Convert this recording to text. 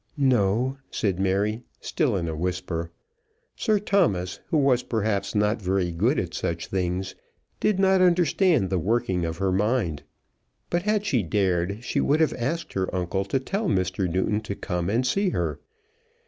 "No," said Mary, still in a whisper. Sir Thomas, who was perhaps not very good at such things, did not understand the working of her mind. But had she dared, she would have asked her uncle to tell Mr. Newton to come and see her.